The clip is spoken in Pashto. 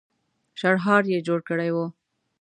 شړهار يې جوړ کړی و.